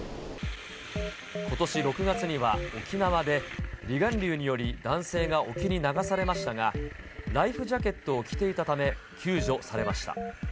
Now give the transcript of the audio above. ことし６月には沖縄で、離岸流により男性が沖に流されましたが、ライフジャケットを着ていたため、救助されました。